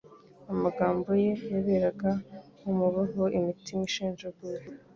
Amagambo ye yaberaga umubavu imitima ishenjaguwe.